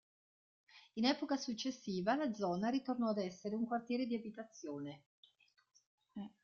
In epoca successiva la zona ritornò ad essere un quartiere di abitazione.